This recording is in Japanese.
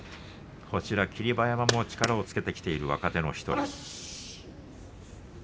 霧馬山も力をつけてきている若手の１人。